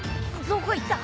どこ行った！？